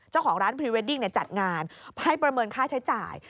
เจ้าของพรีเวดดิ้งจัดงานให้ประเมินค่าใช้จ่าย